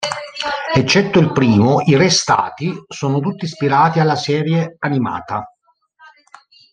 Eccetto il primo, i restati sono tutti ispirati alla serie animata.